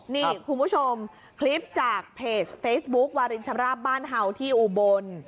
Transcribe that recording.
นี่คุณผู้ชมคลิปจากเพจเฟซบุ๊ควารินชำราบบ้านเห่าที่อุบล